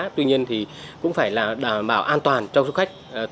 tuy nhiên thì cũng phải là đảm bảo an toàn cho du khách